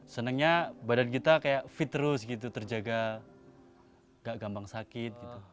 senangnya badan kita fit terus terjaga gak gampang sakit